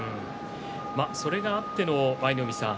それがあって舞の海さん